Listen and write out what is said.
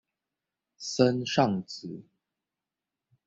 森尚子。